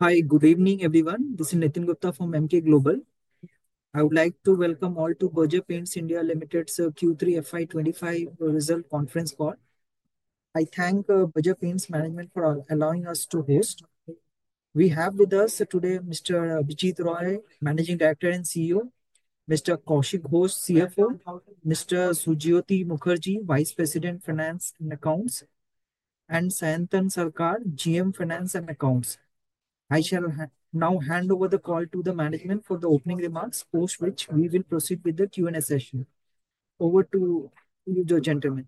Hi, good evening, everyone. This is Nitin Gupta from Emkay Global. I would like to welcome all to Berger Paints India Limited's Q3 FY25 result conference call. I thank Berger Paints management for allowing us to host. We have with us today Mr. Abhijit Roy, Managing Director and CEO, Mr. Kaushik Ghosh, CFO, Mr. Sujyoti Mukherjee, Vice President, Finance and Accounts, and Sayantan Sarkar, GM, Finance and Accounts. I shall now hand over the call to the Management for the opening remarks, post which we will proceed with the Q&A session. Over to you, gentlemen.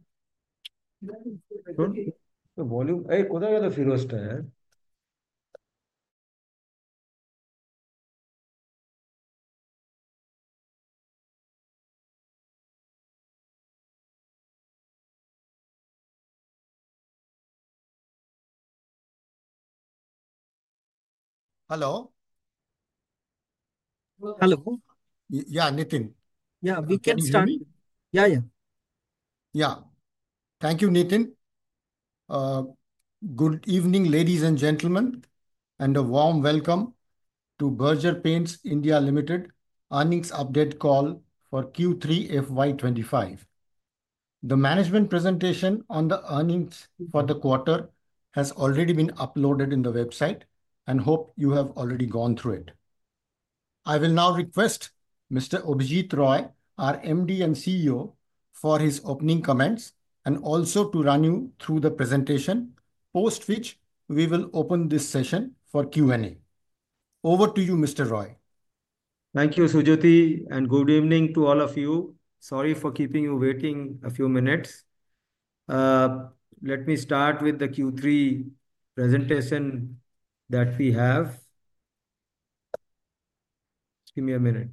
did the volume go, Firoz? [inaudible] Hello? Hello? Yeah, Nitin. Yeah, we can start. Yeah, yeah. Thank you, Nitin. Good evening, ladies and gentlemen, and a warm welcome to Berger Paints India Limited earnings update call for Q3 FY25. The management presentation on the earnings for the quarter has already been uploaded on the website, and I hope you have already gone through it. I will now request Mr. Abhijit Roy, our MD and CEO, for his opening comments and also to run you through the presentation, post which we will open this session for Q&A. Over to you, Mr. Roy. Thank you, Sujyoti, and good evening to all of you. Sorry for keeping you waiting a few minutes. Let me start with the Q3 presentation that we have. Give me a minute.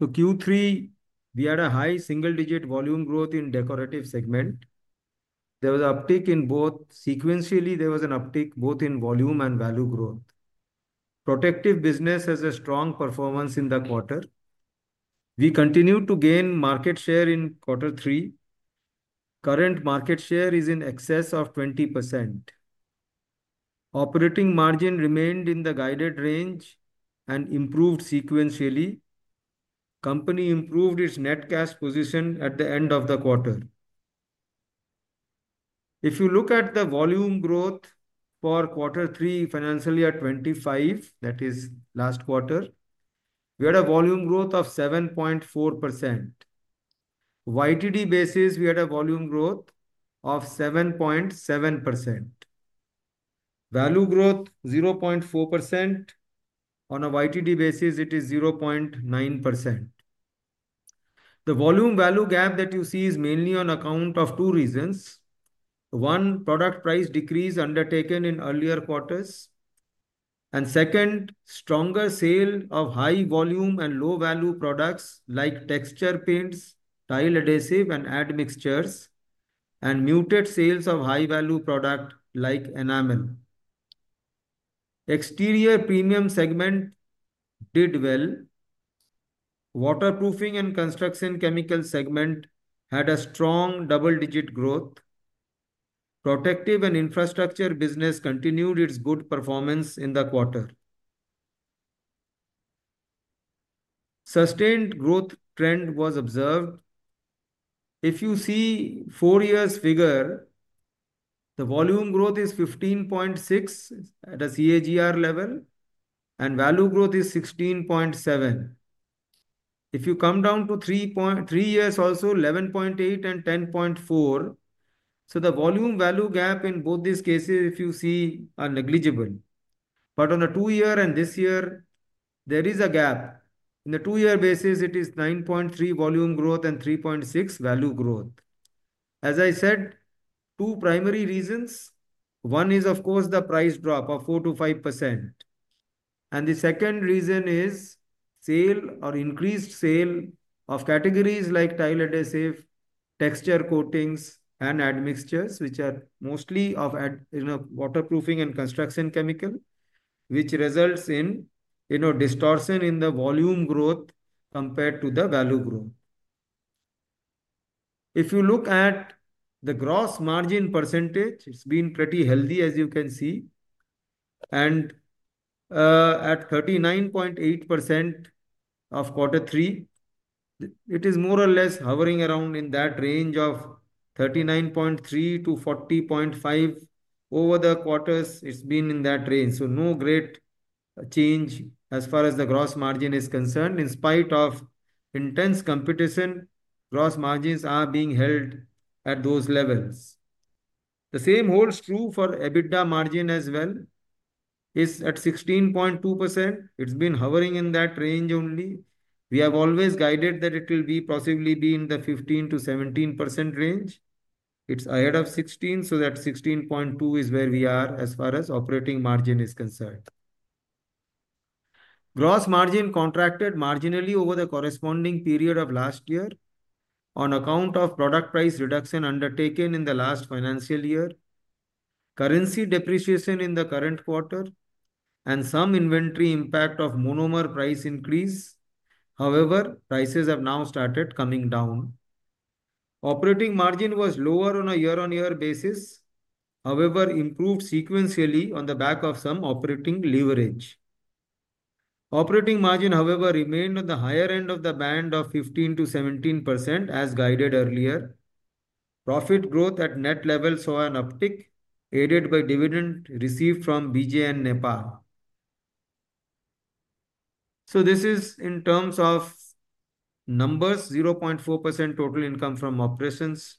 Firoz? Q3, we had a high single-digit volume growth in the decorative segment. There was an uptick in both sequentially. There was an uptick both in volume and value growth. Protective business has a strong performance in the quarter. We continued to gain market share in Q3. Current market share is in excess of 20%. Operating margin remained in the guided range and improved sequentially. Company improved its net cash position at the end of the quarter. If you look at the volume growth for Q3 FY25, that is, last quarter, we had a volume growth of 7.4%. On a YTD basis, we had a volume growth of 7.7%. Value growth 0.4%. On a YTD basis, it is 0.9%. The volume-value gap that you see is mainly on account of two reasons: one, product price decrease undertaken in earlier quarters, and second, stronger sale of high-volume and low-value products like texture paints, tile adhesive, and admixtures, and muted sales of high-value products like enamel. Exterior Premium segment did well. Waterproofing and Construction Chemicals segment had a strong double-digit growth. Protective Coatings and infrastructure business continued its good performance in the quarter. Sustained growth trend was observed. If you see four years figure, the volume growth is 15.6 at the CAGR level, and value growth is 16.7. If you come down to three years, also 11.8 and 10.4. So the volume-value gap in both these cases, if you see, is negligible. But on a two-year and this year, there is a gap. On a two-year basis, it is 9.3 volume growth and 3.6 value growth. As I said, two primary reasons. One is, of course, the price drop of 4%-5%. And the second reason is increased sale of categories like tile adhesive, texture coatings, and admixtures, which are mostly of waterproofing and construction chemicals, which results in distortion in the volume growth compared to the value growth. If you look at the gross margin percentage, it's been pretty healthy, as you can see. And at 39.8% of quarter three, it is more or less hovering around in that range of 39.3%-40.5% over the quarters. It's been in that range. So no great change as far as the gross margin is concerned. In spite of intense competition, gross margins are being held at those levels. The same holds true for EBITDA margin as well. It's at 16.2%. It's been hovering in that range only. We have always guided that it will possibly be in the 15%-17% range. It's ahead of 16%, so that 16.2% is where we are as far as operating margin is concerned. Gross margin contracted marginally over the corresponding period of last year on account of product price reduction undertaken in the last financial year, currency depreciation in the current quarter, and some inventory impact of monomer price increase. However, prices have now started coming down. Operating margin was lower on a year-on-year basis. However, improved sequentially on the back of some operating leverage. Operating margin, however, remained on the higher end of the band of 15%-17% as guided earlier. Profit growth at net level saw an uptick, aided by dividend received from BJN Nepal. This is in terms of numbers: 0.4% total income from operations,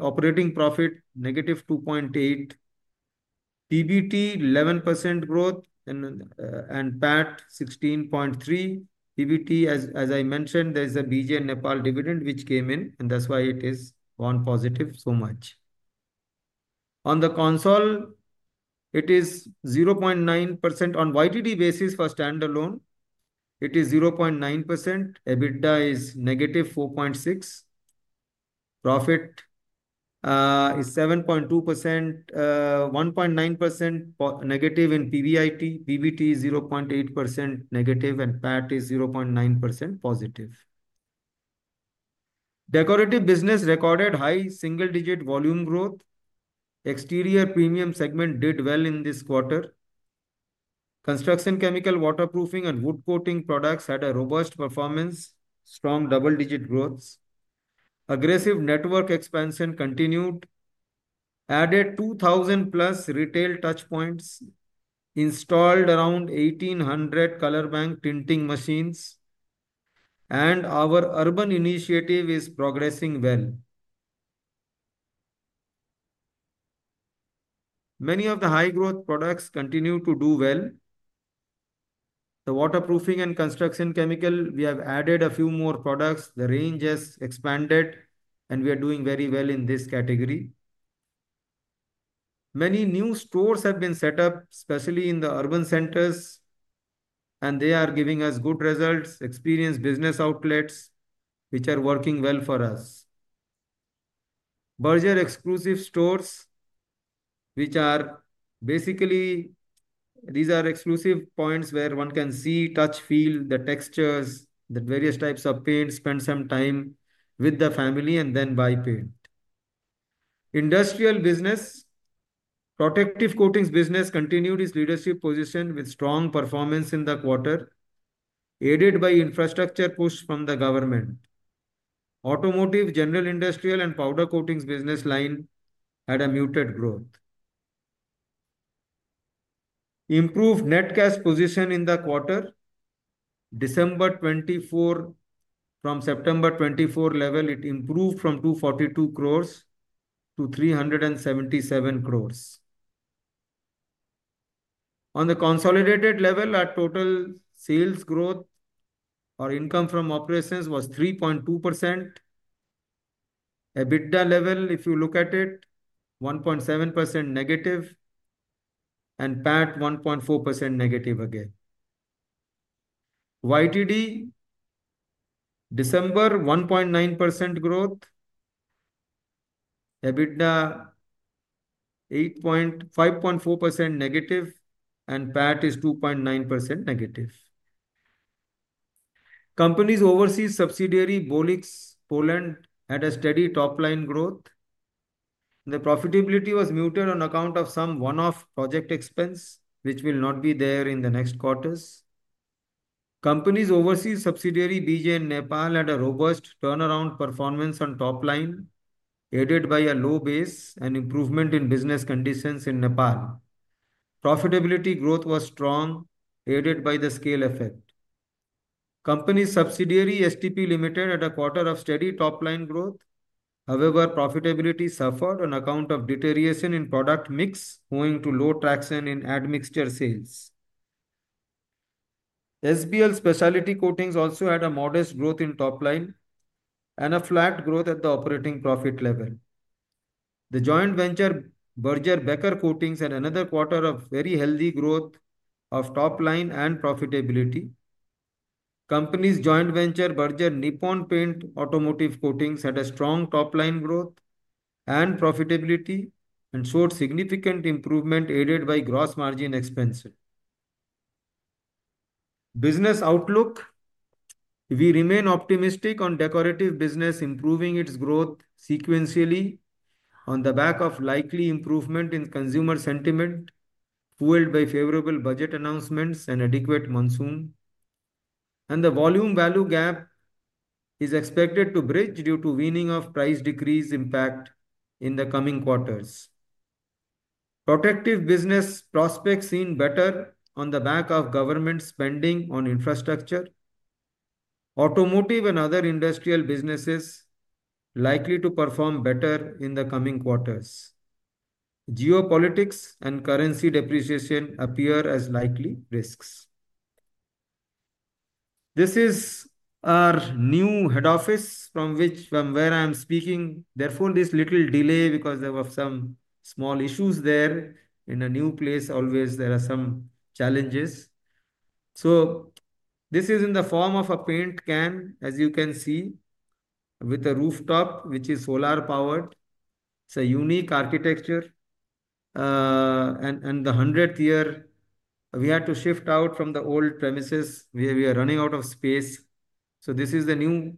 operating profit negative 2.8%, PBT 11% growth, and PAT 16.3%. PBT, as I mentioned, there is a BJN Nepal dividend which came in, and that's why it is positive so much. On the consolidated, it is 0.9%. On YTD basis for standalone, it is 0.9%. EBITDA is negative 4.6%. Profit is 7.2%, 1.9% negative in PBIT. PBT is 0.8% negative, and PAT is 0.9% positive. Decorative business recorded high single-digit volume growth. Exterior Premium segment did well in this quarter. Construction Chemicals, Waterproofing, and Wood Coatings products had a robust performance, strong double-digit growth. Aggressive network expansion continued. Added 2,000-plus retail touchpoints, installed around 1,800 ColorBank tinting machines. Our urban initiative is progressing well. Many of the high-growth products continue to do well. The waterproofing and Construction Chemicals, we have added a few more products. The range has expanded, and we are doing very well in this category. Many new stores have been set up, especially in the urban centers, and they are giving us good results. Experienced business outlets, which are working well for us. Berger Exclusive Stores, which are basically these are exclusive points where one can see, touch, feel the textures, the various types of paints, spend some time with the family, and then buy paint. Industrial business, protective coatings business continued its leadership position with strong performance in the quarter, aided by infrastructure push from the government. Automotive, general industrial, and powder coatings business line had a muted growth. Improved net cash position in the quarter. December 2024 from September 2024 level, it improved from 242 crores to 377 crores. On the consolidated level, our total sales growth or income from operations was 3.2%. EBITDA level, if you look at it, 1.7% negative, and PAT 1.4% negative again. YTD, December 1.9% growth. EBITDA 5.4% negative, and PAT is 2.9% negative. Company's overseas subsidiary, Bolix, Poland, had a steady top-line growth. The profitability was muted on account of some one-off project expense, which will not be there in the next quarters. Company's overseas subsidiary, BJN Nepal, had a robust turnaround performance on top-line, aided by a low base and improvement in business conditions in Nepal. Profitability growth was strong, aided by the scale effect. Company subsidiary, STP Limited, had a quarter of steady top-line growth. However, profitability suffered on account of deterioration in product mix, owing to low traction in admixture sales. SBL Specialty Coatings also had a modest growth in top-line and a flat growth at the operating profit level. The joint venture, Berger Becker Coatings, had another quarter of very healthy growth of top-line and profitability. Company's joint venture, Berger Nippon Paint Automotive Coatings, had a strong top-line growth and profitability and showed significant improvement, aided by gross margin expansion. Business outlook: we remain optimistic on decorative business improving its growth sequentially on the back of likely improvement in consumer sentiment, fueled by favorable budget announcements and adequate monsoon, and the volume-value gap is expected to bridge due to waning of price decrease impact in the coming quarters. Protective business prospects seen better on the back of government spending on infrastructure. Automotive and other industrial businesses likely to perform better in the coming quarters. Geopolitics and currency depreciation appear as likely risks. This is our new head office from where I am speaking. Therefore, this little delay because there were some small issues there. In a new place, always there are some challenges so this is in the form of a paint can, as you can see, with a rooftop, which is solar-powered. It's a unique architecture and the 100th year, we had to shift out from the old premises. We are running out of space so this is the new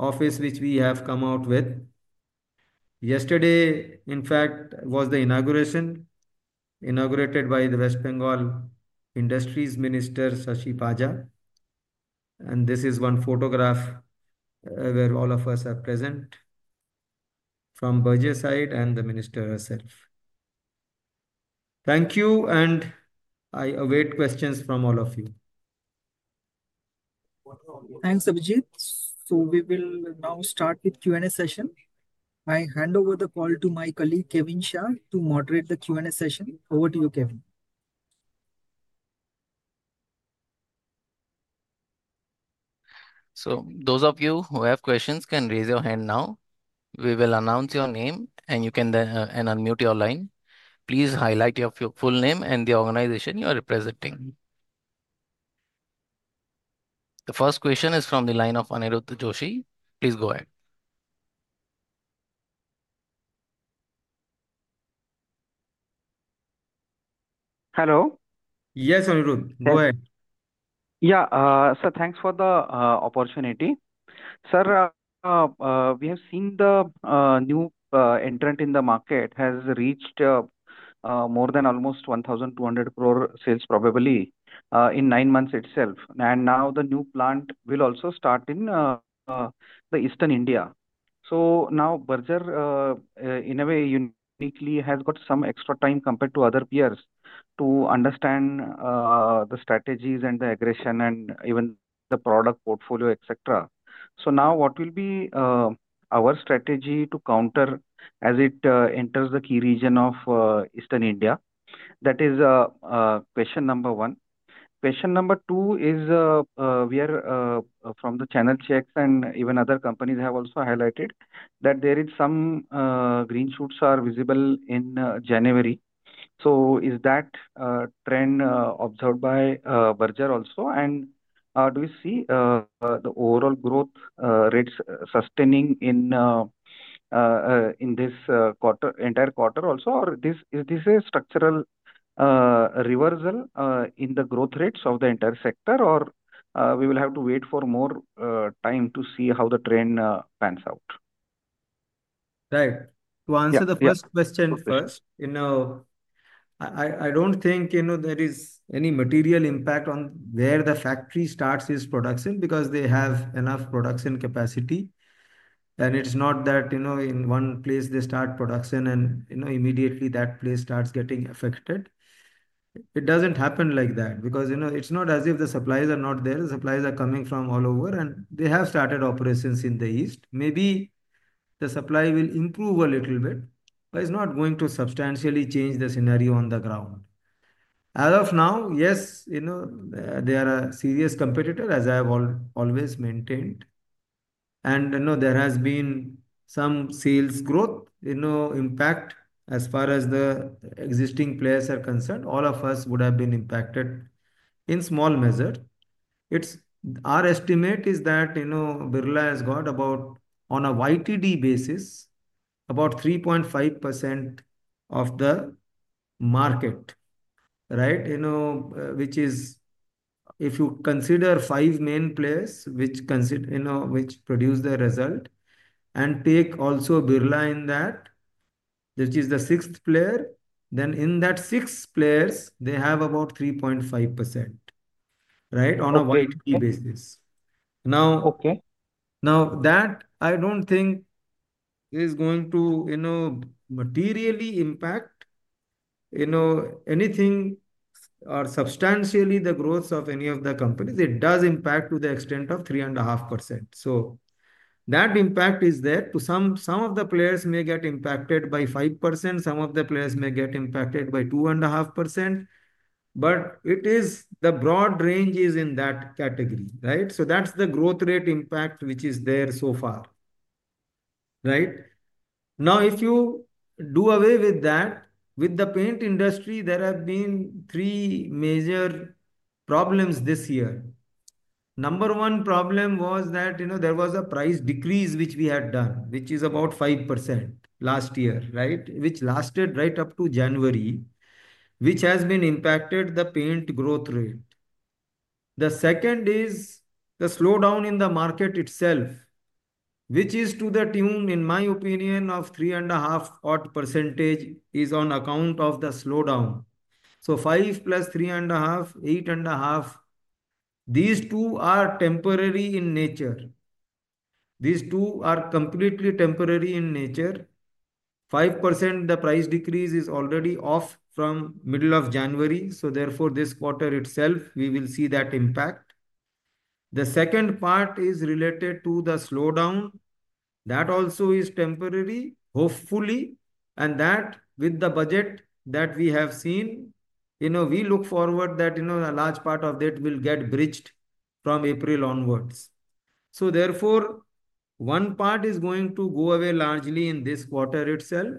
office which we have come out with. Yesterday, in fact, was the inauguration, inaugurated by the West Bengal Industries Minister, Shashi Panja and this is one photograph where all of us are present from Berger side and the minister herself. Thank you, and I await questions from all of you. Thanks, Abhijit. So we will now start with Q&A session. I hand over the call to my colleague, Kevin Shah, to moderate the Q&A session. Over to you, Kevin. So those of you who have questions can raise your hand now. We will announce your name, and you can unmute your line. Please highlight your full name and the organization you are representing. The first question is from the line of Aniruddh Joshi. Please go ahead. Hello. Yes, Aniruddh. Go ahead. Yeah, so thanks for the opportunity. Sir, we have seen the new entrant in the market has reached more than almost 1,200 crore sales probably in nine months itself, and now the new plant will also start in the Eastern India. So now Berger, in a way, uniquely has got some extra time compared to other peers to understand the strategies and the aggression and even the product portfolio, etc., so now what will be our strategy to counter as it enters the key region of Eastern India? That is question number one. Question number two is we are from the channel checks, and even other companies have also highlighted that there are some green shoots visible in January, so is that trend observed by Berger also? And do we see the overall growth rates sustaining in this entire quarter also? Or is this a structural reversal in the growth rates of the entire sector? Or we will have to wait for more time to see how the trend pans out? Right. To answer the first question first, I don't think there is any material impact on where the factory starts its production because they have enough production capacity. And it's not that in one place they start production and immediately that place starts getting affected. It doesn't happen like that because it's not as if the suppliers are not there. The suppliers are coming from all over, and they have started operations in the East. Maybe the supply will improve a little bit, but it's not going to substantially change the scenario on the ground. As of now, yes, they are a serious competitor, as I have always maintained. And there has been some sales growth impact as far as the existing players are concerned. All of us would have been impacted in small measure. Our estimate is that Birla has got about, on a YTD basis, about 3.5% of the market, right? Which is, if you consider five main players which produce the result and take also Birla in that, which is the sixth player, then in that six players, they have about 3.5%, right? On a YTD basis. Now, that I don't think is going to materially impact anything or substantially the growth of any of the companies. It does impact to the extent of 3.5%. So that impact is there. Some of the players may get impacted by 5%. Some of the players may get impacted by 2.5%. But the broad range is in that category, right? So that's the growth rate impact which is there so far, right? Now, if you do away with that, with the paint industry, there have been three major problems this year. Number one problem was that there was a price decrease which we had done, which is about 5% last year, right? Which lasted right up to January, which has impacted the paint growth rate. The second is the slowdown in the market itself, which is to the tune, in my opinion, of 3.5% is on account of the slowdown. So 5% plus 3.5%, 8.5%, these two are temporary in nature. These two are completely temporary in nature. 5% the price decrease is already off from middle of January. So therefore, this quarter itself, we will see that impact. The second part is related to the slowdown. That also is temporary, hopefully. And that with the budget that we have seen, we look forward that a large part of that will get bridged from April onwards. So therefore, one part is going to go away largely in this quarter itself.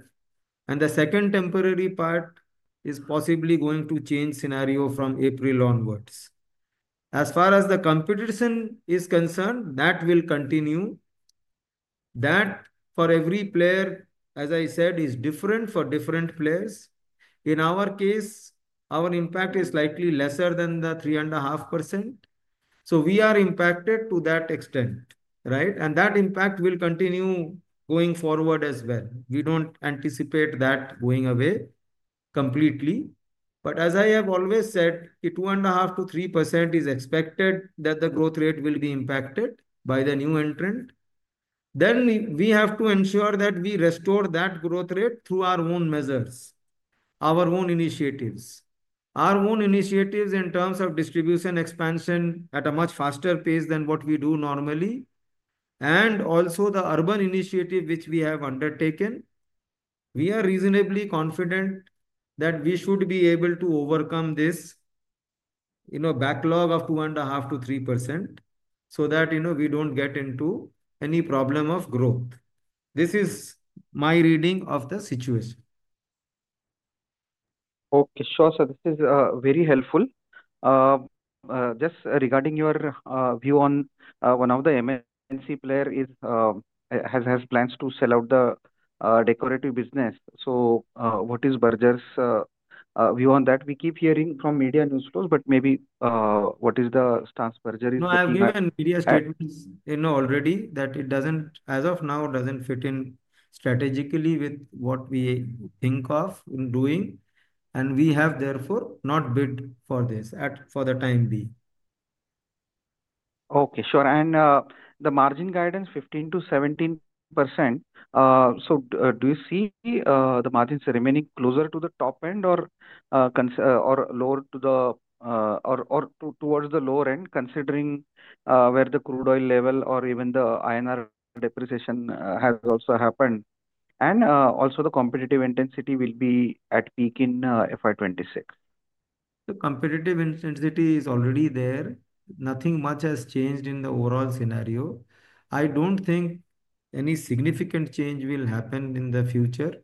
And the second temporary part is possibly going to change scenario from April onwards. As far as the competition is concerned, that will continue. That for every player, as I said, is different for different players. In our case, our impact is slightly lesser than the 3.5%. So we are impacted to that extent, right? And that impact will continue going forward as well. We don't anticipate that going away completely. But as I have always said, 2.5%-3% is expected that the growth rate will be impacted by the new entrant. Then we have to ensure that we restore that growth rate through our own measures, our own initiatives. Our own initiatives in terms of distribution expansion at a much faster pace than what we do normally. Also the urban initiative which we have undertaken, we are reasonably confident that we should be able to overcome this backlog of 2.5%-3% so that we don't get into any problem of growth. This is my reading of the situation. Okay, sure. So this is very helpful. Just regarding your view on one of the MNC players has plans to sell out the decorative business. So what is Berger's view on that? We keep hearing from media news flows, but maybe what is the stance Berger is taking? No, I've given media statements already that it doesn't, as of now, doesn't fit in strategically with what we think of doing, and we have therefore not bid for this for the time being. Okay, sure. And the margin guidance 15%-17%. So do you see the margins remaining closer to the top end or lower towards the lower end considering where the crude oil level or even the INR depreciation has also happened? And also the competitive intensity will be at peak in FY26? The competitive intensity is already there. Nothing much has changed in the overall scenario. I don't think any significant change will happen in the future.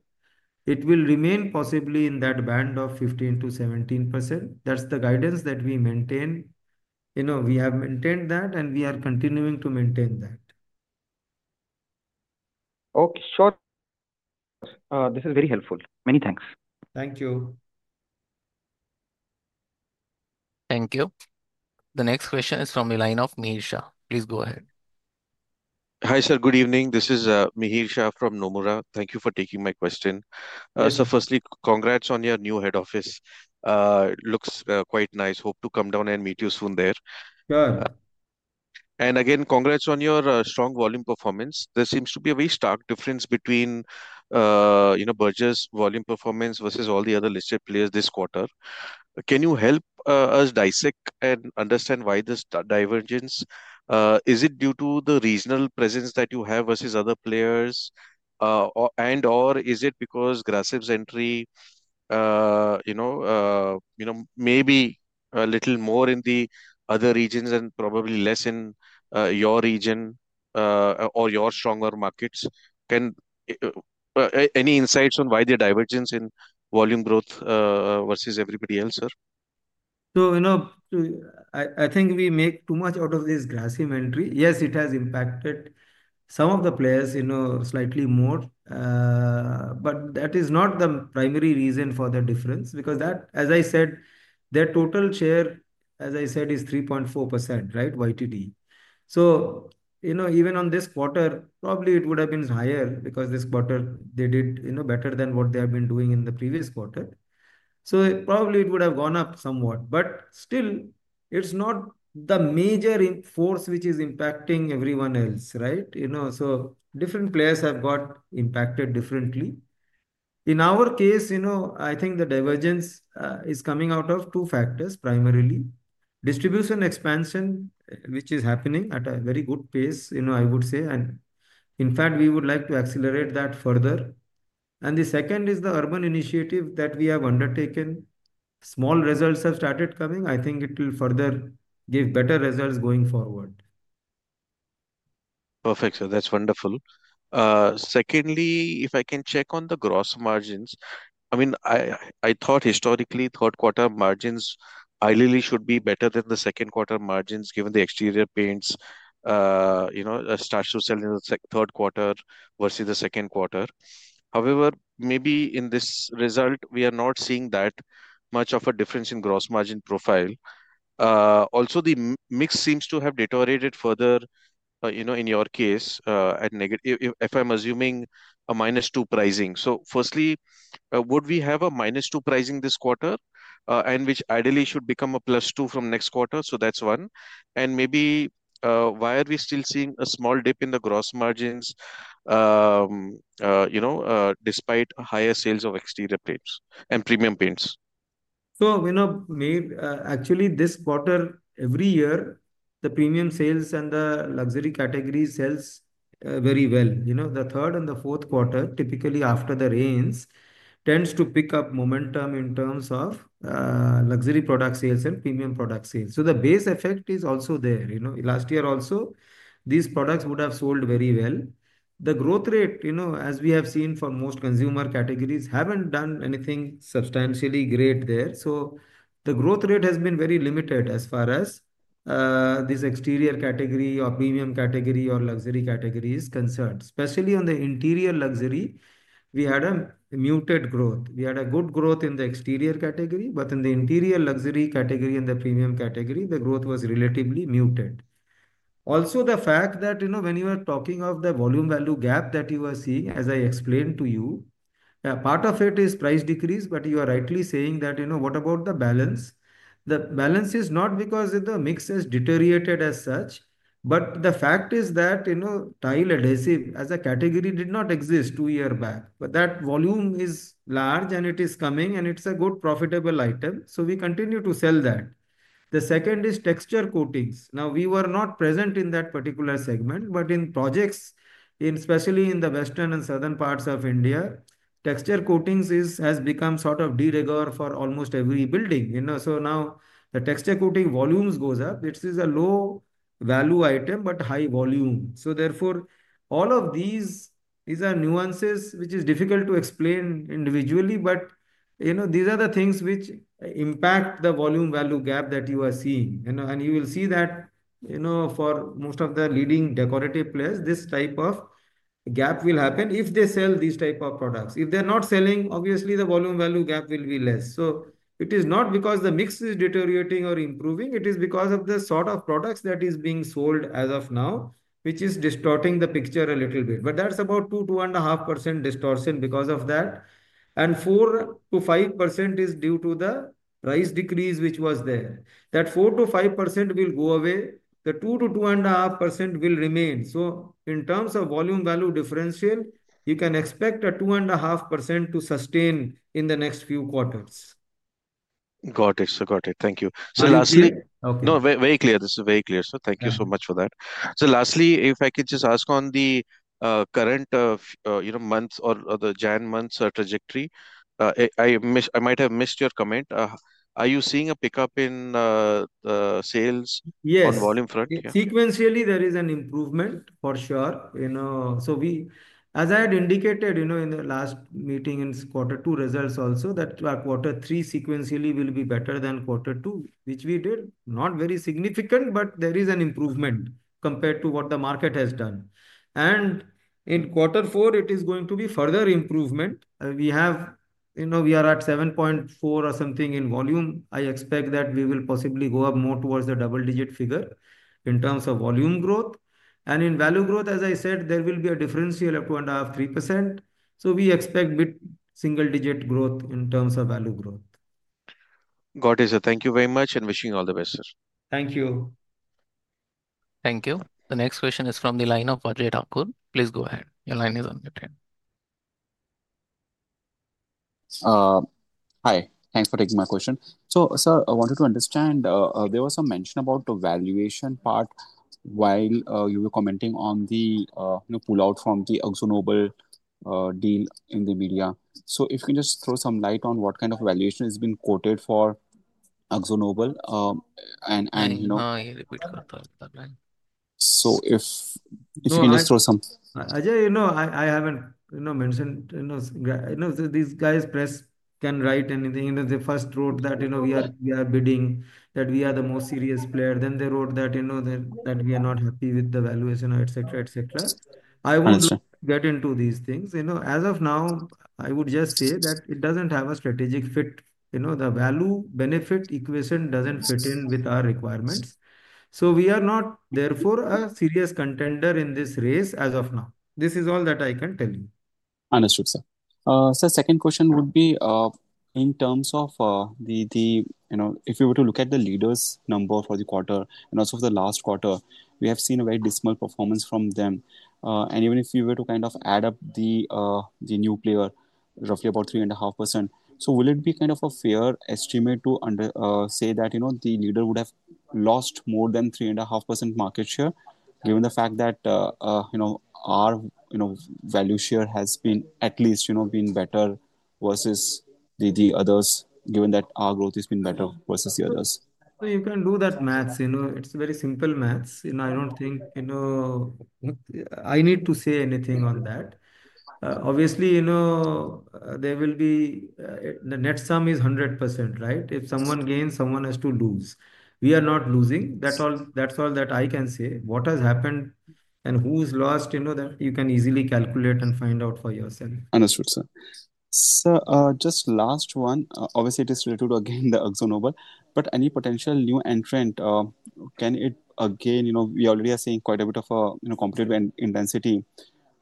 It will remain possibly in that band of 15%-17%. That's the guidance that we maintain. We have maintained that, and we are continuing to maintain that. Okay, sure. This is very helpful. Many thanks. Thank you. Thank you. The next question is from the line of Mihir Shah. Please go ahead. Hi sir, good evening. This is Mihir Shah from Nomura. Thank you for taking my question. So firstly, congrats on your new head office. Looks quite nice. Hope to come down and meet you soon there. Sure. Again, congrats on your strong volume performance. There seems to be a very stark difference between Berger's volume performance versus all the other listed players this quarter. Can you help us dissect and understand why this divergence? Is it due to the regional presence that you have versus other players? And/or is it because Grasim's entry may be a little more in the other regions and probably less in your region or your stronger markets? Any insights on why the divergence in volume growth versus everybody else, sir? So I think we make too much out of this Grasim entry. Yes, it has impacted some of the players slightly more. But that is not the primary reason for the difference because, as I said, their total share, as I said, is 3.4%, right? YTD. So even on this quarter, probably it would have been higher because this quarter they did better than what they have been doing in the previous quarter. So probably it would have gone up somewhat. But still, it's not the major force which is impacting everyone else, right? So different players have got impacted differently. In our case, I think the divergence is coming out of two factors primarily. Distribution expansion, which is happening at a very good pace, I would say. And in fact, we would like to accelerate that further. And the second is the urban initiative that we have undertaken. Small results have started coming. I think it will further give better results going forward. Perfect, sir. That's wonderful. Secondly, if I can check on the gross margins, I mean, I thought historically third quarter margins highly should be better than the second quarter margins given the exterior paints start to sell in the third quarter versus the second quarter. However, maybe in this result, we are not seeing that much of a difference in gross margin profile. Also, the mix seems to have deteriorated further in your case if I'm assuming a minus two pricing. So firstly, would we have a minus two pricing this quarter and which ideally should become a plus two from next quarter? So that's one, and maybe why are we still seeing a small dip in the gross margins despite higher sales of exterior paints and premium paints? So actually, this quarter, every year, the premium sales and the luxury category sells very well. The third and the fourth quarter, typically after the rains, tends to pick up momentum in terms of luxury product sales and premium product sales. So the base effect is also there. Last year also, these products would have sold very well. The growth rate, as we have seen for most consumer categories, hasn't done anything substantially great there. So the growth rate has been very limited as far as this exterior category or premium category or luxury category is concerned. Especially on the interior luxury, we had a muted growth. We had a good growth in the exterior category, but in the interior luxury category and the premium category, the growth was relatively muted. Also, the fact that when you are talking of the volume value gap that you are seeing, as I explained to you, part of it is price decrease, but you are rightly saying that what about the balance? The balance is not because the mix has deteriorated as such, but the fact is that tile adhesive as a category did not exist two years back, but that volume is large and it is coming and it's a good profitable item, so we continue to sell that. The second is texture coatings. Now, we were not present in that particular segment, but in projects, especially in the western and southern parts of India, texture coatings has become sort of de rigueur for almost every building, so now the texture coating volumes goes up. This is a low value item, but high volume. So therefore, all of these are nuances which are difficult to explain individually, but these are the things which impact the volume value gap that you are seeing. And you will see that for most of the leading decorative players, this type of gap will happen if they sell these types of products. If they're not selling, obviously, the volume value gap will be less. So it is not because the mix is deteriorating or improving. It is because of the sort of products that are being sold as of now, which is distorting the picture a little bit. But that's about 2%-2.5% distortion because of that. And 4%-5% is due to the price decrease which was there. That 4%-5% will go away. The 2%-2.5% will remain. In terms of volume value differential, you can expect a 2%-2.5% to sustain in the next few quarters. Got it. Thank you. So lastly. Okay. No, very clear. This is very clear. So thank you so much for that. So lastly, if I could just ask on the current months or the January months trajectory, I might have missed your comment. Are you seeing a pickup in the sales on volume front? Yes. Sequentially, there is an improvement for sure. So as I had indicated in the last meeting in quarter two results also, that quarter three sequentially will be better than quarter two, which we did. Not very significant, but there is an improvement compared to what the market has done. And in quarter four, it is going to be further improvement. We are at 7.4% or something in volume. I expect that we will possibly go up more towards the double-digit figure in terms of volume growth. And in value growth, as I said, there will be a differential of 2%-2.5%, 3%. So we expect bit single-digit growth in terms of value growth. Got it, sir. Thank you very much, and wishing you all the best, sir. Thank you. Thank you. The next question is from the line of Ajay Thakur. Please go ahead. Your line is on your turn. Hi. Thanks for taking my question. So sir, I wanted to understand there was some mention about the valuation part while you were commenting on the pull-out from the AkzoNobel deal in the media. So if you can just throw some light on what kind of valuation has been quoted for AkzoNobel and. So if you can just throw some. Ajay, I haven't mentioned. These guys can write anything. They first wrote that we are bidding, that we are the most serious player. Then they wrote that we are not happy with the valuation, etc., etc. I want to get into these things. As of now, I would just say that it doesn't have a strategic fit. The value benefit equation doesn't fit in with our requirements. So we are not therefore a serious contender in this race as of now. This is all that I can tell you. Understood, sir. Sir, second question would be in terms of if you were to look at the leaders' number for the quarter and also for the last quarter. We have seen a very dismal performance from them. And even if you were to kind of add up the new player, roughly about 3.5%, so will it be kind of a fair estimate to say that the leader would have lost more than 3.5% market share given the fact that our value share has at least been better versus the others, given that our growth has been better versus the others? So you can do that math. It's very simple math. I don't think I need to say anything on that. Obviously, there will be the net sum is 100%, right? If someone gains, someone has to lose. We are not losing. That's all that I can say. What has happened and who's lost, you can easily calculate and find out for yourself. Understood, sir. Sir, just last one. Obviously, it is related to, again, the AkzoNobel. But any potential new entrant, can it again, we already are seeing quite a bit of competitive intensity,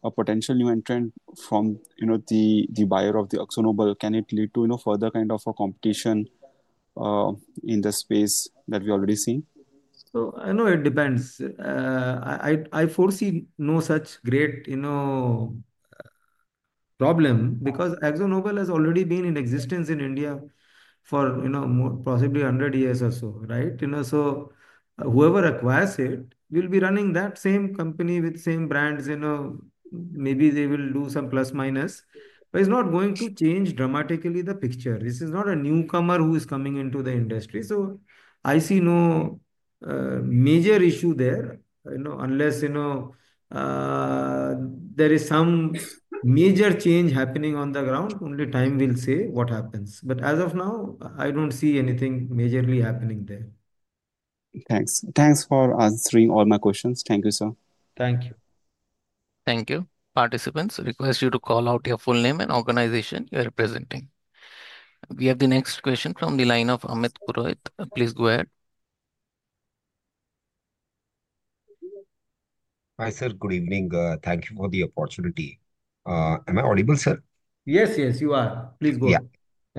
a potential new entrant from the buyer of the AkzoNobel, can it lead to further kind of a competition in the space that we are already seeing? I know it depends. I foresee no such great problem because AkzoNobel has already been in existence in India for possibly 100 years or so, right? So whoever acquires it will be running that same company with same brands. Maybe they will do some plus minus. But it's not going to change dramatically the picture. This is not a newcomer who is coming into the industry. So I see no major issue there unless there is some major change happening on the ground. Only time will tell what happens. But as of now, I don't see anything majorly happening there. Thanks. Thanks for answering all my questions. Thank you, sir. Thank you. Thank you. Participants, request you to call out your full name and organization you are representing. We have the next question from the line of Amit Roy. Please go ahead. Hi sir, good evening. Thank you for the opportunity. Am I audible, sir? Yes, yes, you are. Please go ahead. Yeah.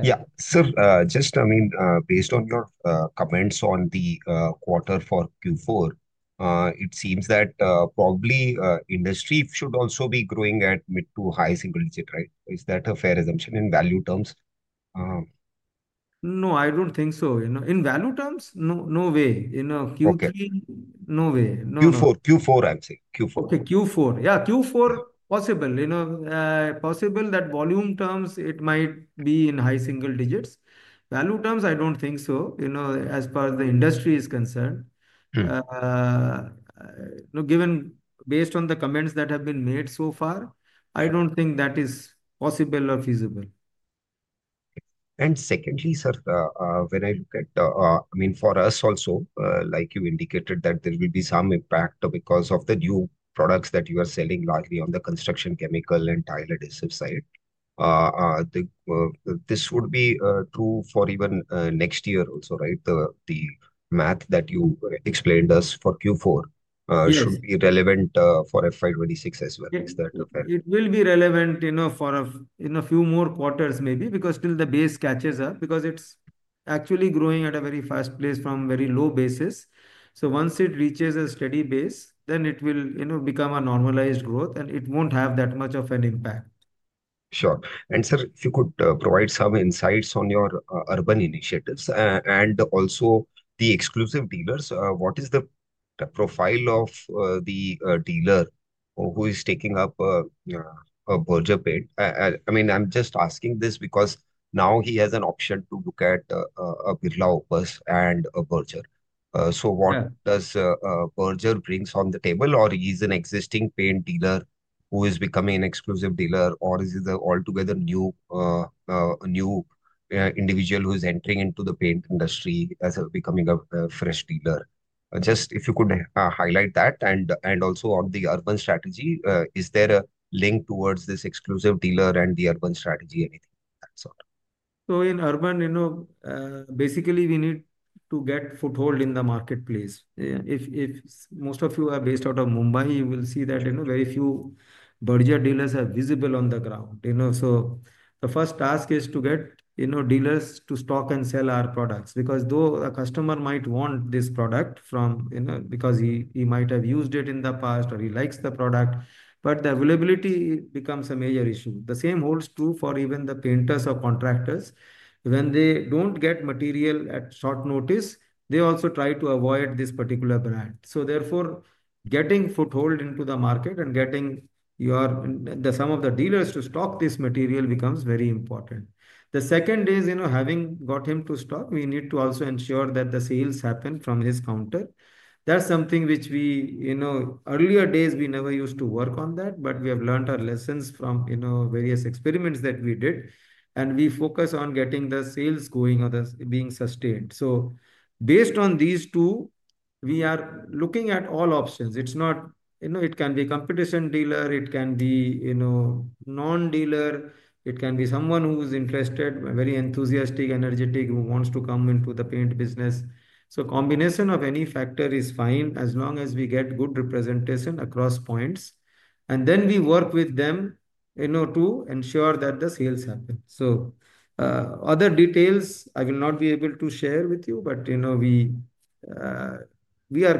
Yeah, sir, just I mean, based on your comments on the Q4, it seems that probably industry should also be growing at mid- to high-single-digit, right? Is that a fair assumption in value terms? No, I don't think so. In value terms, no way. Q3, no way. Q4, Q4, I'm saying. Q4. Okay, Q4. Yeah, Q4 possible. Possible that volume terms, it might be in high single digits. Value terms, I don't think so as far as the industry is concerned. Based on the comments that have been made so far, I don't think that is possible or feasible. And secondly, sir, when I look at, I mean, for us also, like you indicated that there will be some impact because of the new products that you are selling largely on the construction chemical and tile adhesive side. This would be true for even next year also, right? The math that you explained us for Q4 should be relevant for FY26 as well. Is that a fair? It will be relevant for a few more quarters, maybe, because still the base catches up because it's actually growing at a very fast pace from very low base, so once it reaches a steady base, then it will become a normalized growth and it won't have that much of an impact. Sure. And sir, if you could provide some insights on your urban initiatives and also the exclusive dealers, what is the profile of the dealer who is taking up a Berger Paints? I mean, I'm just asking this because now he has an option to look at a Birla Opus and a Berger. So what does Berger bring on the table? Or he's an existing paint dealer who is becoming an exclusive dealer? Or is it an altogether new individual who is entering into the paint industry as becoming a fresh dealer? Just if you could highlight that. And also on the urban strategy, is there a link towards this exclusive dealer and the urban strategy, anything? So in urban, basically, we need to get foothold in the marketplace. If most of you are based out of Mumbai, you will see that very few Berger dealers are visible on the ground. So the first task is to get dealers to stock and sell our products because though a customer might want this product because he might have used it in the past or he likes the product, but the availability becomes a major issue. The same holds true for even the painters or contractors. When they don't get material at short notice, they also try to avoid this particular brand. So therefore, getting foothold into the market and getting some of the dealers to stock this material becomes very important. The second is having got him to stock, we need to also ensure that the sales happen from his counter. That's something which we earlier days, we never used to work on that, but we have learned our lessons from various experiments that we did. And we focus on getting the sales going or being sustained. So based on these two, we are looking at all options. It can be competition dealer, it can be non-dealer, it can be someone who is interested, very enthusiastic, energetic, who wants to come into the paint business. So combination of any factor is fine as long as we get good representation across points. And then we work with them to ensure that the sales happen. So other details, I will not be able to share with you, but we are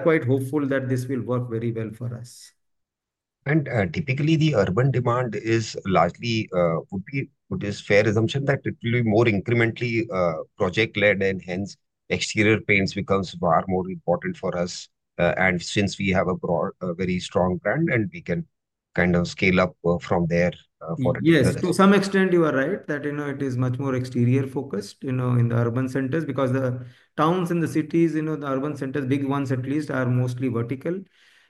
quite hopeful that this will work very well for us. Typically, the urban demand is largely. It would be a fair assumption that it will be more incrementally project-led, and hence exterior paints becomes far more important for us. Since we have a very strong brand and we can kind of scale up from there for it. Yes, to some extent, you are right that it is much more exterior-focused in the urban centers because the towns and the cities, the urban centers, big ones at least, are mostly vertical.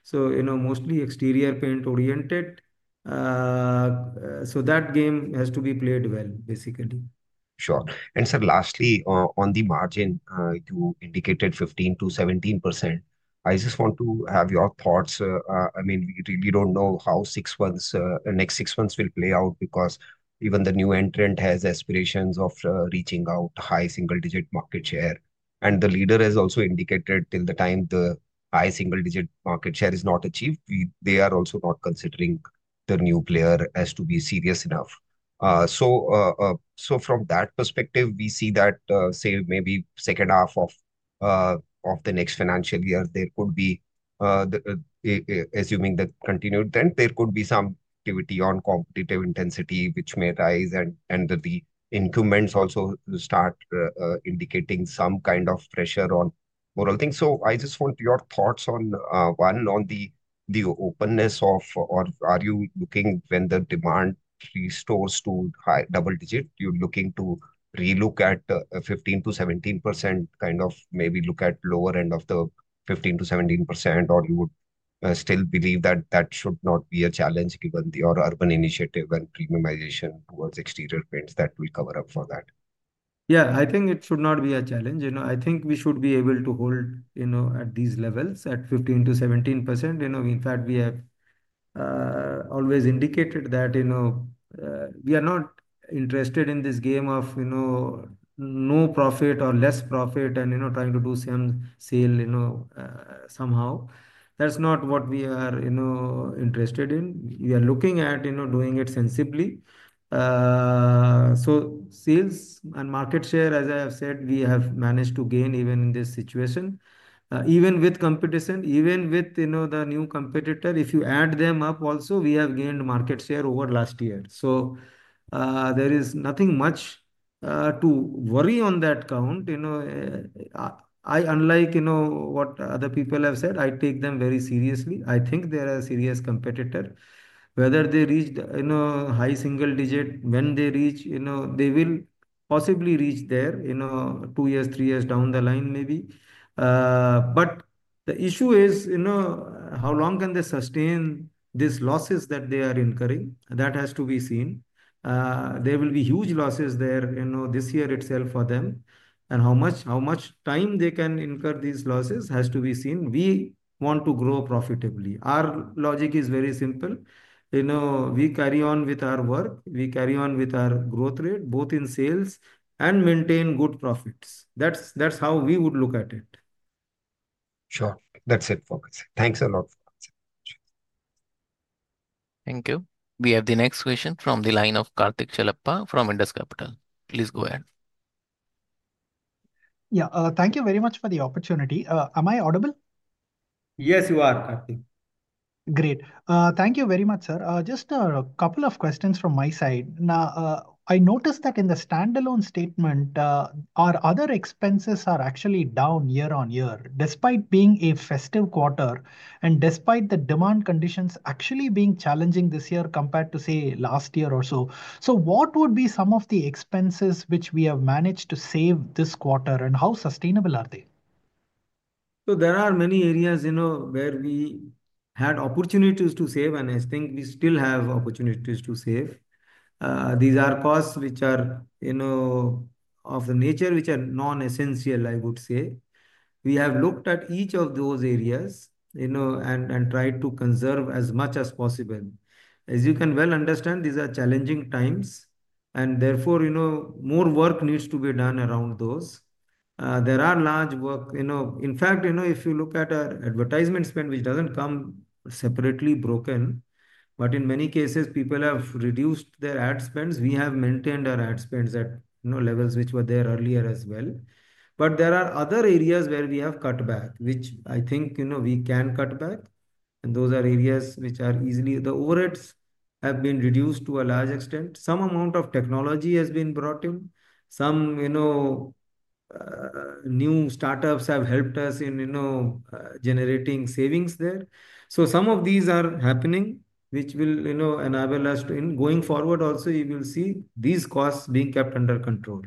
So mostly exterior paint-oriented. So that game has to be played well, basically. Sure. And sir, lastly, on the margin, you indicated 15%-17%. I just want to have your thoughts. I mean, we really don't know how next six months will play out because even the new entrant has aspirations of reaching out high single-digit market share. And the leader has also indicated till the time the high single-digit market share is not achieved, they are also not considering the new player as to be serious enough. So from that perspective, we see that say maybe second half of the next financial year, there could be assuming the continued trend, there could be some activity on competitive intensity which may rise and the increments also start indicating some kind of pressure on margins. So I just want your thoughts on one, on the openness of are you looking when the demand restores to double-digit, you're looking to relook at 15%-17%, kind of maybe look at lower end of the 15%-17%, or you would still believe that that should not be a challenge given your urban initiative and premiumization towards exterior paints that will cover up for that? Yeah, I think it should not be a challenge. I think we should be able to hold at these levels, at 15%-17%. In fact, we have always indicated that we are not interested in this game of no profit or less profit and trying to do some sale somehow. That's not what we are interested in. We are looking at doing it sensibly. So sales and market share, as I have said, we have managed to gain even in this situation. Even with competition, even with the new competitor, if you add them up also, we have gained market share over last year. So there is nothing much to worry on that count. I, unlike what other people have said, take them very seriously. I think they are a serious competitor. Whether they reach high single digit, when they reach, they will possibly reach there two years, three years down the line maybe. But the issue is how long can they sustain these losses that they are incurring? That has to be seen. There will be huge losses there this year itself for them. And how much time they can incur these losses has to be seen. We want to grow profitably. Our logic is very simple. We carry on with our work. We carry on with our growth rate, both in sales and maintain good profits. That's how we would look at it. Sure. That's it for me. Thanks a lot. Thank you. We have the next question from the line of Karthik Chellappa from Indus Capital. Please go ahead. Yeah, thank you very much for the opportunity. Am I audible? Yes, you are, Karthik. Great. Thank you very much, sir. Just a couple of questions from my side. Now, I noticed that in the standalone statement, our other expenses are actually down year on year, despite being a festive quarter and despite the demand conditions actually being challenging this year compared to, say, last year or so. So what would be some of the expenses which we have managed to save this quarter, and how sustainable are they? So there are many areas where we had opportunities to save, and I think we still have opportunities to save. These are costs which are of the nature which are non-essential, I would say. We have looked at each of those areas and tried to conserve as much as possible. As you can well understand, these are challenging times, and therefore, more work needs to be done around those. There are large work. In fact, if you look at our advertisement spend, which doesn't come separately broken, but in many cases, people have reduced their ad spends. We have maintained our ad spends at levels which were there earlier as well. But there are other areas where we have cut back, which I think we can cut back. And those are areas which are easily. The overheads have been reduced to a large extent. Some amount of technology has been brought in. Some new startups have helped us in generating savings there, so some of these are happening, which will enable us to, going forward also, you will see these costs being kept under control.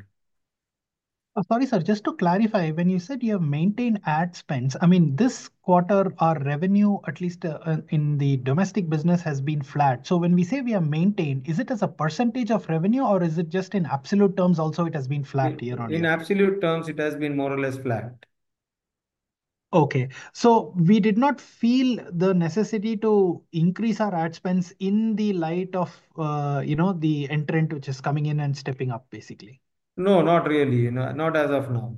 Sorry, sir. Just to clarify, when you said you have maintained ad spends, I mean, this quarter, our revenue, at least in the domestic business, has been flat. So when we say we have maintained, is it as a percentage of revenue, or is it just in absolute terms? Also it has been flat year-on-year? In absolute terms, it has been more or less flat. Okay. So we did not feel the necessity to increase our ad spends in the light of the entrant which is coming in and stepping up, basically? No, not really. Not as of now.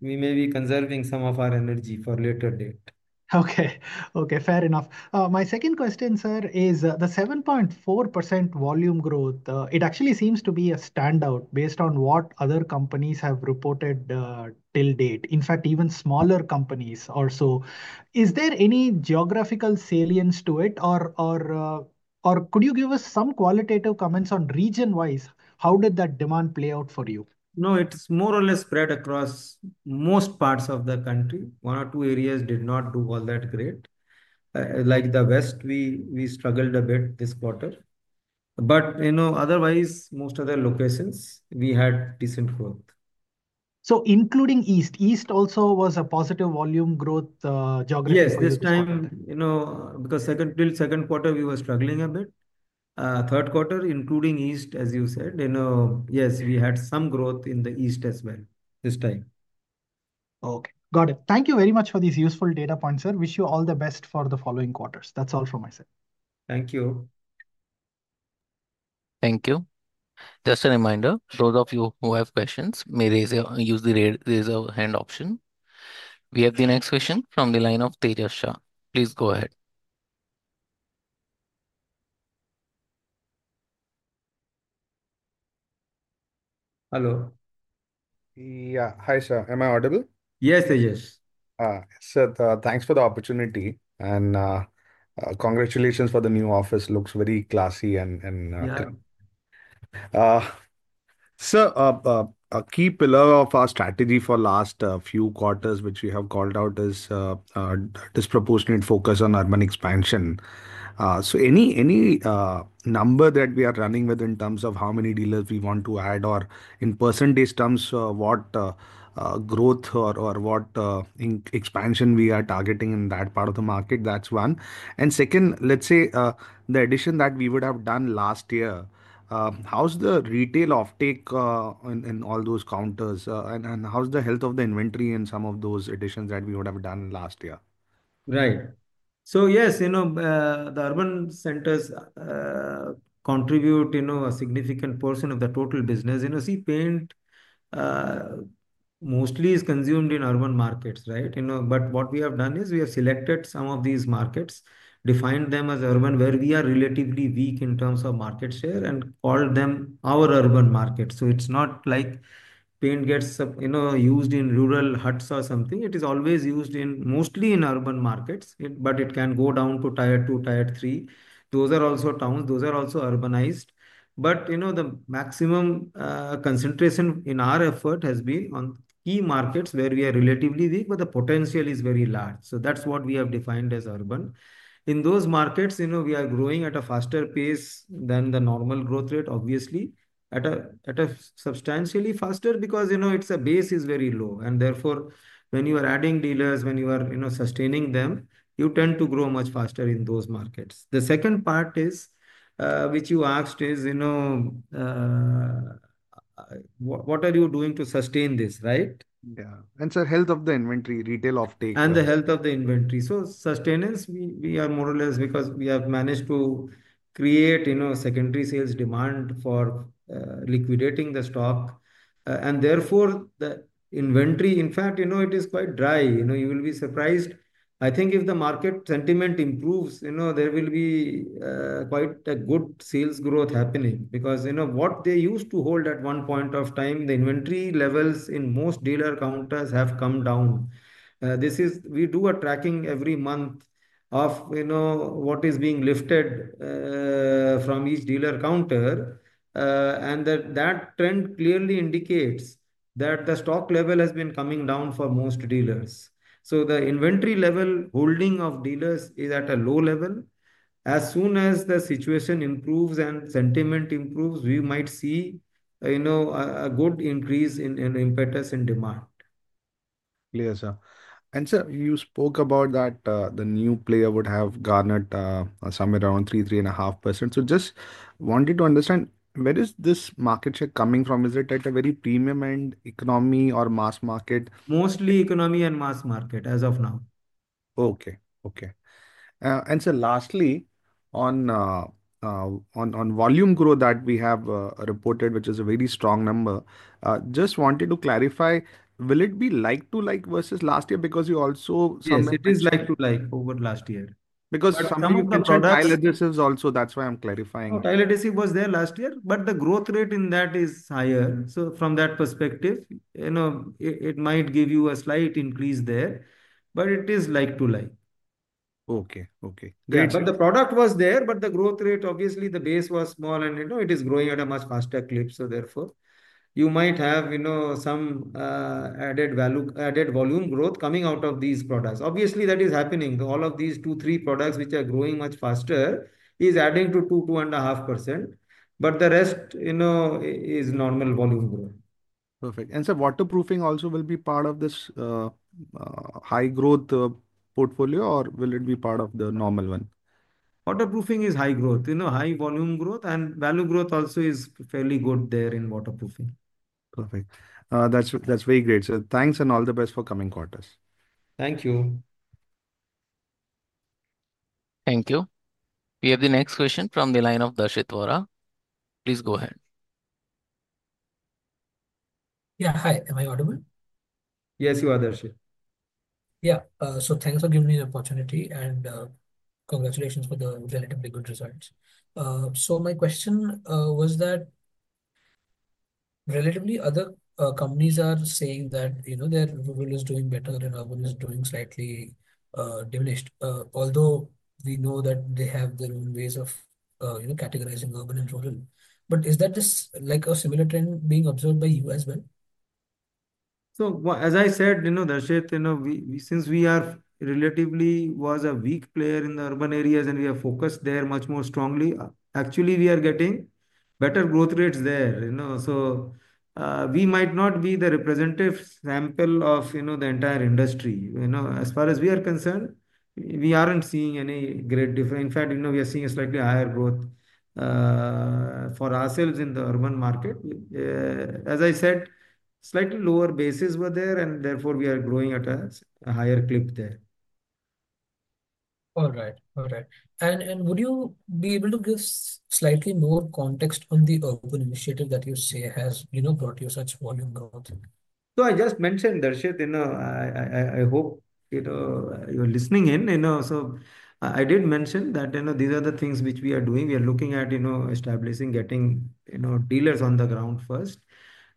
We may be conserving some of our energy for later date. Okay. Okay, fair enough. My second question, sir, is the 7.4% volume growth, it actually seems to be a standout based on what other companies have reported till date. In fact, even smaller companies also. Is there any geographical salience to it, or could you give us some qualitative comments on region-wise? How did that demand play out for you? No, it's more or less spread across most parts of the country. One or two areas did not do all that great. Like the West, we struggled a bit this quarter. But otherwise, most other locations, we had decent growth. So including East, East also was a positive volume growth geographically? Yes, this time, because until second quarter, we were struggling a bit. Third quarter, including East, as you said, yes, we had some growth in the East as well this time. Okay. Got it. Thank you very much for these useful data points, sir. Wish you all the best for the following quarters. That's all from my side. Thank you. Thank you. Just a reminder, those of you who have questions may raise a hand option. We have the next question from the line of Tejas Shah. Please go ahead. Hello. Yeah. Hi, sir. Am I audible? Yes, Tejas. Sir, thanks for the opportunity and congratulations for the new office. Looks very classy and clean. Sir, a key pillar of our strategy for last few quarters, which we have called out, is this proportionate focus on urban expansion, so any number that we are running with in terms of how many dealers we want to add or in percentage terms, what growth or what expansion we are targeting in that part of the market, that's one, and second, let's say the addition that we would have done last year, how's the retail offtake in all those counters? And how's the health of the inventory in some of those additions that we would have done last year? Right. So yes, the urban centers contribute a significant portion of the total business. See, paint mostly is consumed in urban markets, right? But what we have done is we have selected some of these markets, defined them as urban where we are relatively weak in terms of market share, and called them our urban markets. So it's not like paint gets used in rural huts or something. It is always used mostly in urban markets, but it can go down to tier two, tier three. Those are also towns. Those are also urbanized. But the maximum concentration in our effort has been on key markets where we are relatively weak, but the potential is very large. So that's what we have defined as urban. In those markets, we are growing at a faster pace than the normal growth rate, obviously, at a substantially faster because its base is very low, and therefore, when you are adding dealers, when you are sustaining them, you tend to grow much faster in those markets. The second part which you asked is, what are you doing to sustain this, right? Yeah. And sir, health of the inventory, retail offtake. The health of the inventory. So sustenance, we are more or less because we have managed to create secondary sales demand for liquidating the stock. And therefore, the inventory, in fact, it is quite dry. You will be surprised. I think if the market sentiment improves, there will be quite a good sales growth happening because what they used to hold at one point of time, the inventory levels in most dealer counters have come down. We do a tracking every month of what is being lifted from each dealer counter. And that trend clearly indicates that the stock level has been coming down for most dealers. So the inventory level holding of dealers is at a low level. As soon as the situation improves and sentiment improves, we might see a good increase in impetus and demand. Clear, sir. And sir, you spoke about that the new player would have garnered somewhere around 3%-3.5%. So just wanted to understand, where is this market share coming from? Is it at a very premium and economy or mass market? Mostly economy and mass market as of now. Okay. And sir, lastly, on volume growth that we have reported, which is a very strong number, just wanted to clarify, will it be like-for-like versus last year because you also? Yes, it is like-for-like over last year. Because some of the products. Tile adhesives also, that's why I'm clarifying. Tile adhesive was there last year, but the growth rate in that is higher. So from that perspective, it might give you a slight increase there, but it is like-to-like. Okay. Okay. Great. But the product was there, but the growth rate, obviously, the base was small, and it is growing at a much faster clip. So therefore, you might have some added volume growth coming out of these products. Obviously, that is happening. All of these two, three products which are growing much faster is adding to 2%-2.5%. But the rest is normal volume growth. Perfect. And sir, waterproofing also will be part of this high growth portfolio, or will it be part of the normal one? Waterproofing is high growth. High volume growth and value growth also is fairly good there in waterproofing. Perfect. That's very great. So thanks and all the best for coming quarters. Thank you. Thank you. We have the next question from the line of Darshit Vora. Please go ahead. Yeah. Hi. Am I audible? Yes, you are, Darshit. Yeah. So thanks for giving me the opportunity and congratulations for the relatively good results. So my question was that relatively other companies are saying that their rural is doing better and urban is doing slightly diminished, although we know that they have their own ways of categorizing urban and rural. But is that a similar trend being observed by you as well? So as I said, Darshit, since we are relatively was a weak player in the urban areas and we are focused there much more strongly, actually, we are getting better growth rates there. So we might not be the representative sample of the entire industry. As far as we are concerned, we aren't seeing any great difference. In fact, we are seeing a slightly higher growth for ourselves in the urban market. As I said, slightly lower bases were there, and therefore, we are growing at a higher clip there. All right. All right, and would you be able to give slightly more context on the urban initiative that you say has brought you such volume growth? So I just mentioned, Darshit, I hope you're listening in. So I did mention that these are the things which we are doing. We are looking at establishing, getting dealers on the ground first,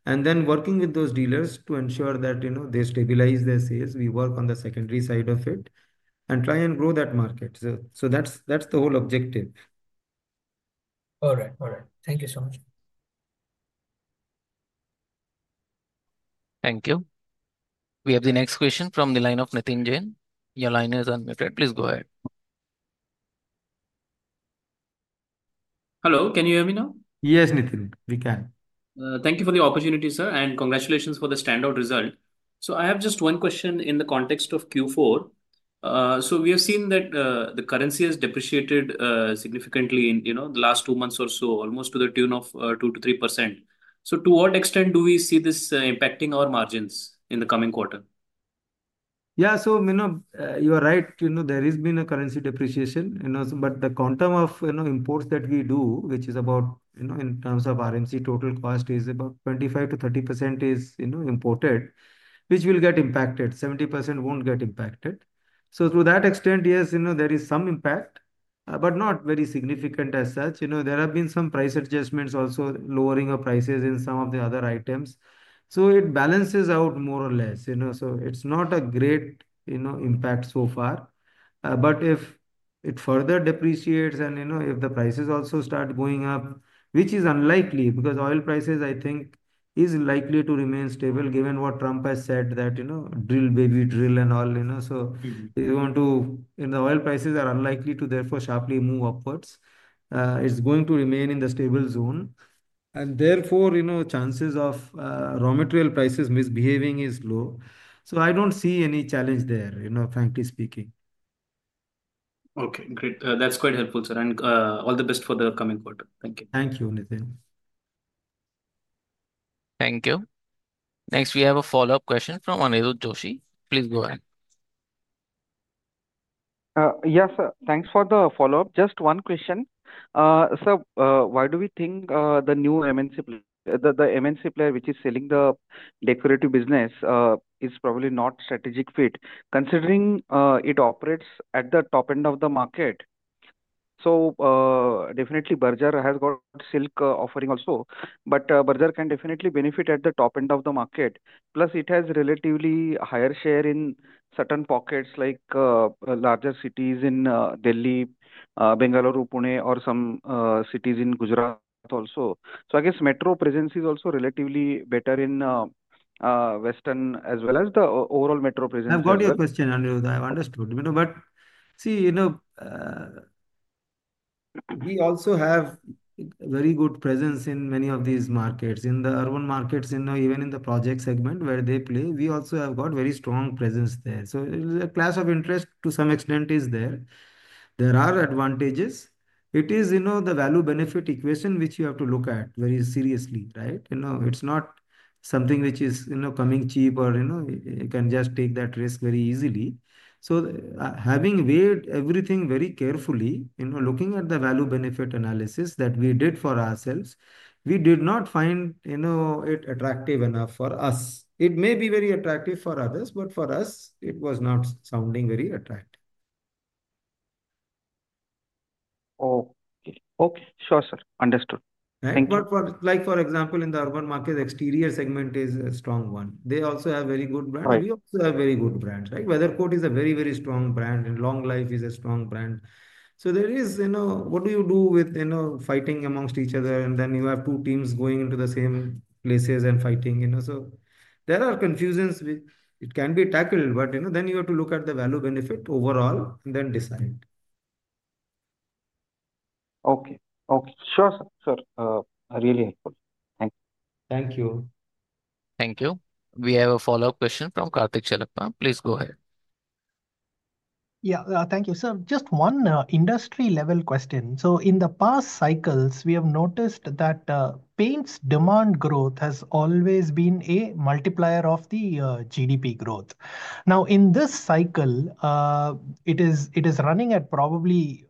and then working with those dealers to ensure that they stabilize their sales. We work on the secondary side of it and try and grow that market. So that's the whole objective. All right. All right. Thank you so much. Thank you. We have the next question from the line of Nithin Jain. Your line is unmuted. Please go ahead. Hello. Can you hear me now? Yes, Nithin. We can. Thank you for the opportunity, sir, and congratulations for the standout result. So I have just one question in the context of Q4. So we have seen that the currency has depreciated significantly in the last two months or so, almost to the tune of 2%-3%. So to what extent do we see this impacting our margins in the coming quarter? Yeah. So you are right. There has been a currency depreciation. But the quantum of imports that we do, which is about in terms of RMC total cost, is about 25%-30% is imported, which will get impacted. 70% won't get impacted. So to that extent, yes, there is some impact, but not very significant as such. There have been some price adjustments also, lowering of prices in some of the other items. So it balances out more or less. So it's not a great impact so far. But if it further depreciates and if the prices also start going up, which is unlikely because oil prices, I think, are likely to remain stable given what Trump has said that drill, baby drill and all. So he's going to, the oil prices are unlikely to therefore sharply move upwards. It's going to remain in the stable zone. Therefore, chances of raw material prices misbehaving are low. I don't see any challenge there, frankly speaking. Okay. Great. That's quite helpful, sir, and all the best for the coming quarter. Thank you. Thank you, Nitin. Thank you. Next, we have a follow-up question from Aniruddh Joshi. Please go ahead. Yes, sir. Thanks for the follow-up. Just one question. Sir, why do we think the new MNC player, the MNC player which is selling the decorative business, is probably not a strategic fit considering it operates at the top end of the market? So definitely, Berger has got Silk offering also. But Berger can definitely benefit at the top end of the market. Plus, it has relatively higher share in certain pockets like larger cities in Delhi, Bengaluru, Pune, or some cities in Gujarat also. So I guess metro presence is also relatively better in Western as well as the overall metro presence. I've got your question, Aniruddh. I've understood. But see, we also have a very good presence in many of these markets, in the urban markets, even in the project segment where they play. We also have got a very strong presence there. So a class of interest to some extent is there. There are advantages. It is the value benefit equation which you have to look at very seriously, right? It's not something which is coming cheap or you can just take that risk very easily. So having weighed everything very carefully, looking at the value benefit analysis that we did for ourselves, we did not find it attractive enough for us. It may be very attractive for others, but for us, it was not sounding very attractive. Okay. Okay. Sure, sir. Understood. Thank you. But for example, in the urban market, the exterior segment is a strong one. They also have very good brands. We also have very good brands, right? WeatherCoat is a very, very strong brand. Long Life is a strong brand. So there is what do you do with fighting amongst each other? And then you have two teams going into the same places and fighting. So there are confusions which can be tackled. But then you have to look at the value benefit overall and then decide. Okay. Okay. Sure, sir. Sir, really helpful. Thank you. Thank you. Thank you. We have a follow-up question from Karthik Chellappa. Please go ahead. Yeah. Thank you, sir. Just one industry-level question. So in the past cycles, we have noticed that paint demand growth has always been a multiplier of the GDP growth. Now, in this cycle, it is running at probably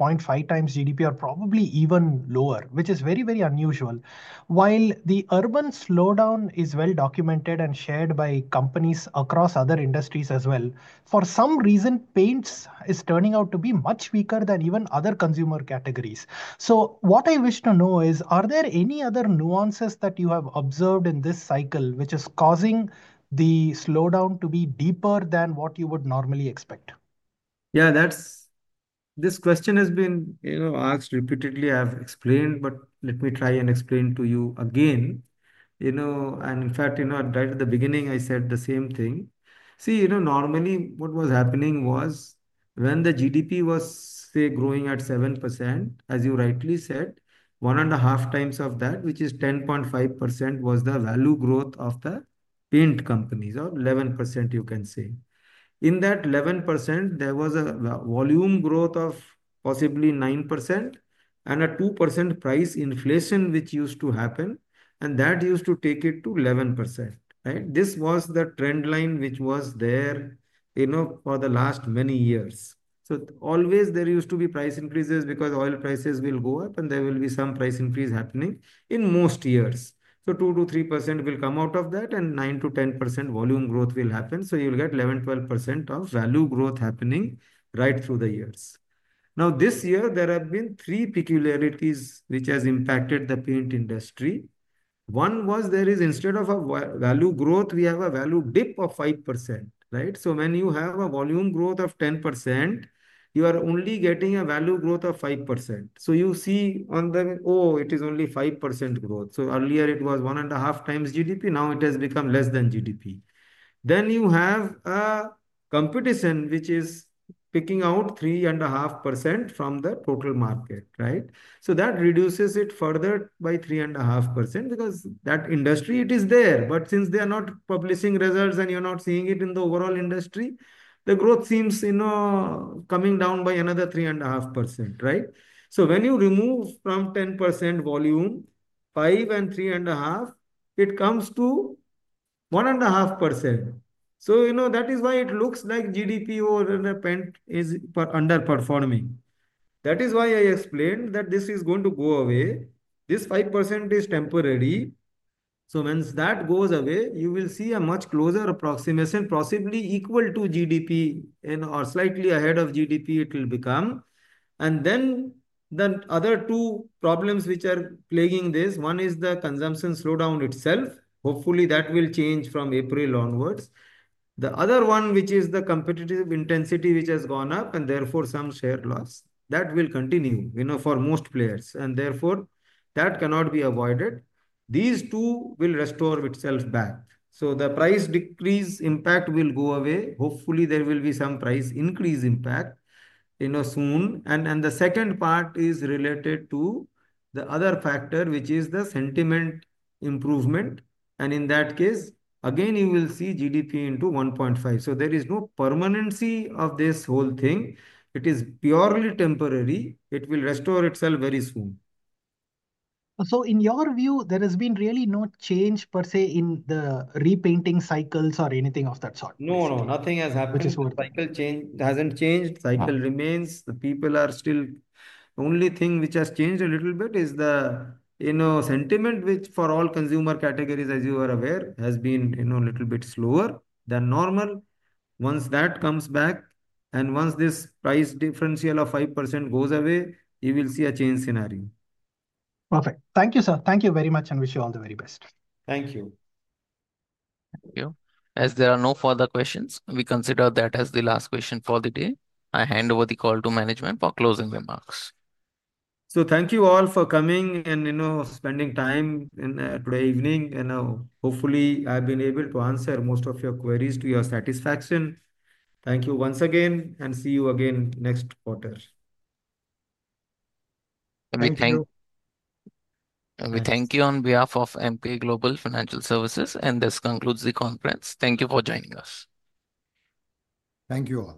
0.5 times GDP or probably even lower, which is very, very unusual. While the urban slowdown is well documented and shared by companies across other industries as well, for some reason, paint is turning out to be much weaker than even other consumer categories. So what I wish to know is, are there any other nuances that you have observed in this cycle which is causing the slowdown to be deeper than what you would normally expect? Yeah. This question has been asked repeatedly. I've explained, but let me try and explain to you again, and in fact, right at the beginning, I said the same thing. See, normally, what was happening was when the GDP was, say, growing at 7%, as you rightly said, 1.5 times of that, which is 10.5%, was the value growth of the paint companies of 11%, you can say. In that 11%, there was a volume growth of possibly 9% and a 2% price inflation which used to happen, and that used to take it to 11%, right? This was the trend line which was there for the last many years. So always, there used to be price increases because oil prices will go up, and there will be some price increase happening in most years. So 2%-3% will come out of that, and 9%-10% volume growth will happen. So you'll get 11%-12% of value growth happening right through the years. Now, this year, there have been three peculiarities which have impacted the paint industry. One was there is instead of a value growth, we have a value dip of 5%, right? So when you have a volume growth of 10%, you are only getting a value growth of 5%. So you see on the, oh, it is only 5% growth. So earlier, it was 1.5 times GDP. Now, it has become less than GDP. Then you have a competition which is picking out 3.5% from the total market, right? So that reduces it further by 3.5% because that industry, it is there. But since they are not publishing results and you're not seeing it in the overall industry, the growth seems coming down by another 3.5%, right? So when you remove from 10% volume, 5% and 3.5%, it comes to 1.5%. So that is why it looks like GDP or paint is underperforming. That is why I explained that this is going to go away. This 5% is temporary. So once that goes away, you will see a much closer approximation, possibly equal to GDP or slightly ahead of GDP it will become. And then the other two problems which are plaguing this, one is the consumption slowdown itself. Hopefully, that will change from April onwards. The other one, which is the competitive intensity which has gone up and therefore some share loss, that will continue for most players. And therefore, that cannot be avoided. These two will restore itself back. The price decrease impact will go away. Hopefully, there will be some price increase impact soon. The second part is related to the other factor, which is the sentiment improvement. In that case, again, you will see GDP into 1.5. There is no permanency of this whole thing. It is purely temporary. It will restore itself very soon. So in your view, there has been really no change per se in the repainting cycles or anything of that sort? No, no. Nothing has happened. Cycle hasn't changed. Cycle remains. The people are still the only thing which has changed a little bit is the sentiment, which for all consumer categories, as you are aware, has been a little bit slower than normal. Once that comes back and once this price differential of 5% goes away, you will see a change scenario. Perfect. Thank you, sir. Thank you very much and wish you all the very best. Thank you. Thank you. As there are no further questions, we consider that as the last question for the day. I hand over the call to management for closing remarks. Thank you all for coming and spending time today evening. Hopefully, I've been able to answer most of your queries to your satisfaction. Thank you once again and see you again next quarter. Thank you. We thank you on behalf of Emkay Global Financial Services, and this concludes the conference. Thank you for joining us. Thank you.